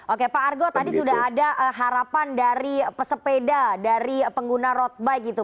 oke pak argo tadi sudah ada harapan dari pesepeda dari pengguna road bike gitu